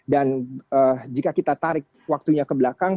dan jika kita tarik waktunya ke belakang